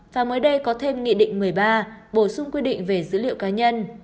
và mới đây có thêm nghị định một mươi ba bổ sung quy định về dữ liệu cá nhân